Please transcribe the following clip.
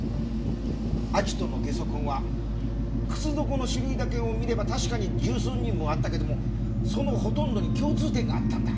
アジトのゲソ痕は靴底の種類だけを見れば確かに十数人分はあったけどもそのほとんどに共通点があったんだ。